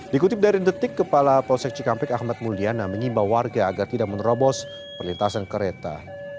dikutip dari detik kepala polsek cikampek ahmad mulyana mengimbau warga agar tidak menerobos perlintasan kereta